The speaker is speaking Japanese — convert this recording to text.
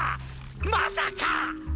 まさか！